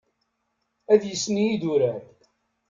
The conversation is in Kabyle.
Ad yesni idurar.